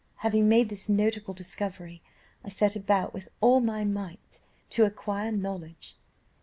Having made this notable discovery, I set about with all my might to acquire knowledge.